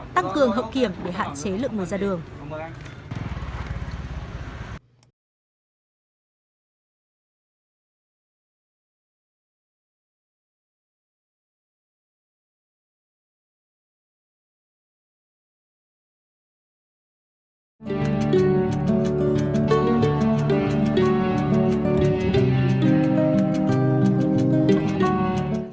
tăng cường hậu kiểm để hạn chế lượng người ra đường